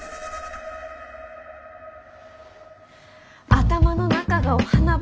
頭の中がお花畑